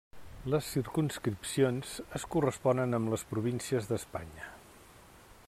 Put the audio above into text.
Les circumscripcions es corresponen amb les províncies d'Espanya.